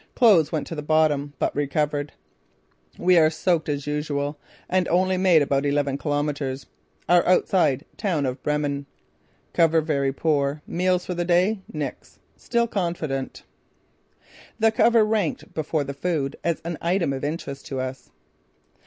Clothes went to the bottom, but recovered. We are soaked, as usual, and only made about eleven kilometres. Are outside town of Bremen. Cover very poor. Meals for the day: Nix. Still confident." The cover ranked before the food as an item of interest to us.